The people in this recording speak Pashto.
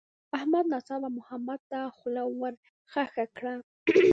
احمد ناڅاپه محمد ته خوله ورخښه کړه.